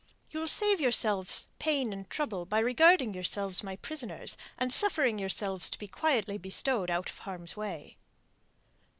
"You will save yourselves pain and trouble by regarding yourselves my prisoners, and suffering yourselves to be quietly bestowed out of harm's way."